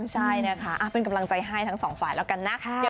ใช่นะคะเป็นกำลังใจให้ทั้งสองฝ่ายแล้วกันนะ